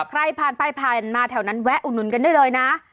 ใครพาไปมาแถวนั้นแวะอุดนุนกันได้เลยนะ